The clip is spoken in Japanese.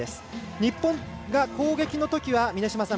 日本が攻撃のときは、峰島さん